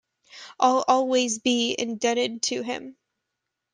I'll always be indebted to him.